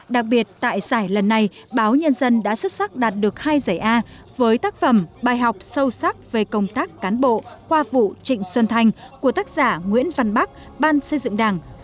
đặc biệt tại giải lần này báo nhân dân đã xuất sắc đạt được hai giải a với tác phẩm bài học sâu sắc về công tác cán bộ qua vụ trịnh xuân thanh của tác giả nguyễn văn bắc ban xây dựng đảng